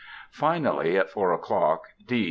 Finally at four o'clock, D.